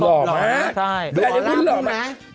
หล่อไหมแบบนี้หรอแบบนี้นะใช่